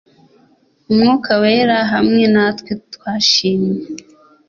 Umwuka Wera hamwe natwe twashimye